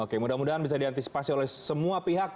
oke mudah mudahan bisa diantisipasi oleh semua pihak